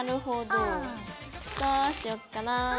どうしよっかな。